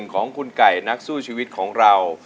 ของคุณไก่นักสู้ชีวิตของเรา